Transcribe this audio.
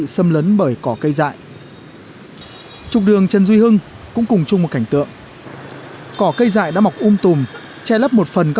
xin chào và hẹn gặp lại